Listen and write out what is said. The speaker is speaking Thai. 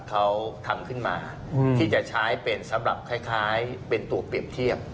เขาทำขึ้นมาที่จะใช้เป็นสำหรับคล้ายเป็นตัวเปรียบเทียบ